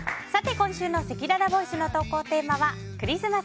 今週のせきららボイスの投稿テーマはクリスマス！